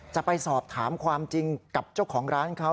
จะไปสอบถามความจริงกับเจ้าของร้านเขา